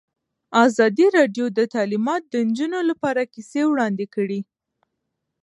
ازادي راډیو د تعلیمات د نجونو لپاره کیسې وړاندې کړي.